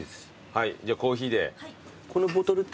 はいじゃコーヒーで。